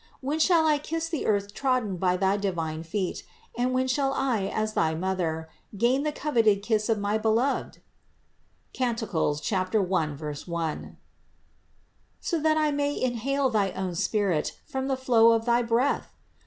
When shall I kiss the earth trodden by thy divine feet, and when shall I as thy Mother gain the coveted kiss of my Beloved (Cant. 1,1) so that I may inhale thy own Spirit from the flow of thy breath